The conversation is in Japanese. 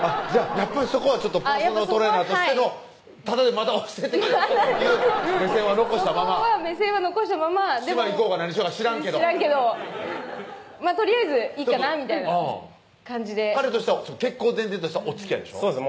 やっぱりそこはちょっとパーソナルトレーナーとしてのタダで教えてくれそうっていう目線は残したままそこは目線は残したまま島行こうが何しようが知らんけど知らんけどとりあえずいいかなみたいな感じで彼としては結婚を前提としたおつきあいでしょ？